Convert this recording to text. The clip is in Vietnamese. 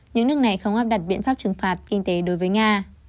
những nước này không áp đặt biện pháp trừng phạt kinh tế đối với nga